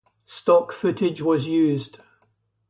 Stock footage was used.